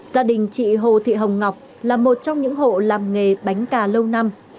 gia đình chị hồ thị hồng ngọc là một trong những hộ làm nghề bánh cà lâu năm